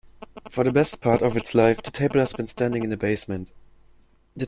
For the best part of its life, the table has been standing in the basement.